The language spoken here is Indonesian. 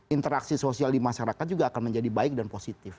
interaksi sosial di masyarakat juga akan menjadi baik dan positif